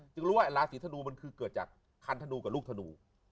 รู้ว่าราศีธนูมันคือเกิดจากคันธนูกับลูกธนู